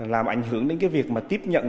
làm ảnh hưởng đến cái việc mà tiếp nhận